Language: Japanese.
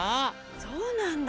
そうなんだ！